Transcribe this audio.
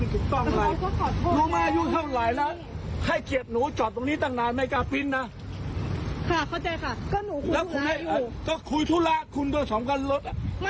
หนูเข้าใจครับเพราะอันนี้ก็คือวันที่จอด